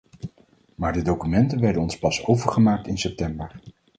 Maar de documenten werden ons pas overgemaakt in september.